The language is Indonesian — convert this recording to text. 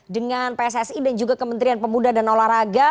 dengan pssi dan juga kementerian pemuda dan olahraga